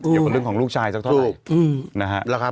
ดิวบันลึกของลูกชายสักเท่าไหร่